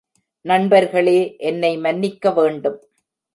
நண்பர்களே, என்னை மன்னிக்க வேண்டும்.